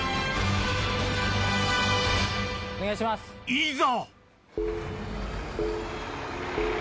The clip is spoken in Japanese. いざ！